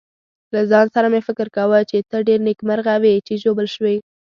له ځان سره مې فکر کاوه چې ته ډېر نېکمرغه وې چې ژوبل شوې.